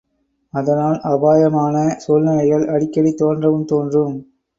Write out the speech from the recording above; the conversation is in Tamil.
அதனால் அபாயமான சூழ்நிலைகள் அடிக்கடி தோன்றவும் தோன்றும்.